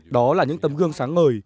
đó là những tầm gương sáng ngời